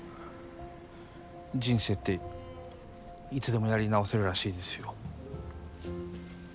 人生っていつでもやり直せるらしいですよ。